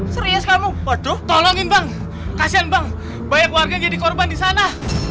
serius kamu tolongin bang kasihan bang banyak warga jadi korban di sana